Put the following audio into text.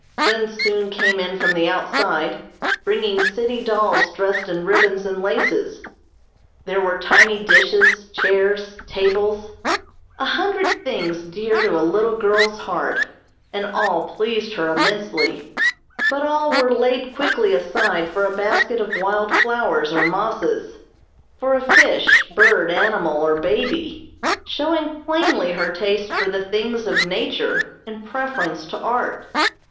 Friends soon came in from the outside, bringing city dolls dressed in ribbons and laces; there were tiny dishes, chairs, tables, a hundred things dear to a little girl's heart, and all pleased her immensely, but all were laid quickly aside for a basket of wild flowers or mosses, for a fish, bird, animal or baby, showing plainly her taste for the things of nature in preference to art.